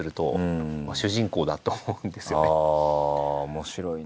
面白いな。